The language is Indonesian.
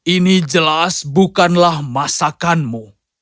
ini jelas bukanlah masakanmu